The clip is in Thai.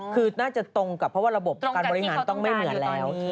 คือน่าจะตรงกับเพราะว่าระบบการบริหารต้องไม่เหมือนแล้ว